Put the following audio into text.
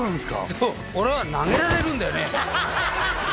そう俺は投げられるんだよね